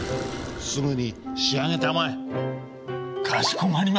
すぐに仕上げたまえ。